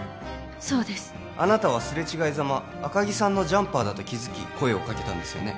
そうですあなたはすれ違いざま赤木さんのジャンパーだと気づき声をかけたんですよね